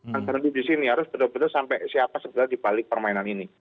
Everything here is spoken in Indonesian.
yang terhenti disini harus benar benar sampai siapa sebenarnya dibalik permainan ini